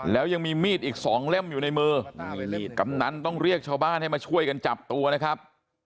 แล้วยังมีมีดอีกสองเล่มอยู่ในมือกำนันต้องเรียกชาวบ้านให้มาช่วยกันจับตัวนะครับ